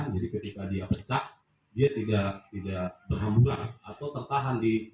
jadi ketika dia pecah